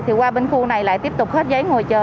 thì qua bên khu này lại tiếp tục hết giấy ngồi chờ